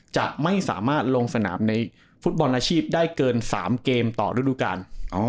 จะไม่สามารถลงสนามในฟุตบอลอาชีพได้เกิน๓เกมต่อฤดูกาล